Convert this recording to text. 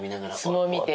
相撲見て。